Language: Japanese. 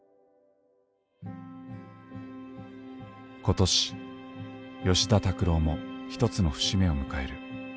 今年吉田拓郎も一つの節目を迎える。